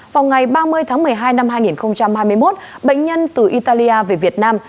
vào ngày ba mươi tháng một mươi hai năm hai nghìn hai mươi một bệnh nhân từ italia về việt nam